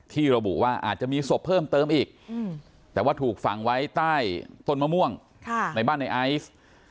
ระบุว่าอาจจะมีศพเพิ่มเติมอีกแต่ว่าถูกฝังไว้ใต้ต้นมะม่วงในบ้านในไอซ์